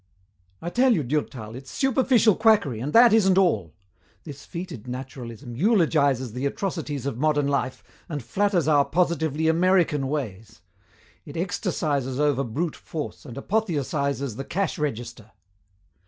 "I tell you, Durtal, it's superficial quackery, and that isn't all. This fetid naturalism eulogizes the atrocities of modern life and flatters our positively American ways. It ecstasizes over brute force and apotheosizes the cash register.